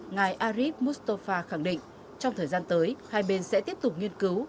ngài arif mustafa khẳng định trong thời gian tới hai bên sẽ tiếp tục nghiên cứu